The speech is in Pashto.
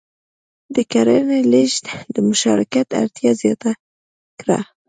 د کرنې لېږد د مشارکت اړتیا زیاته کړه.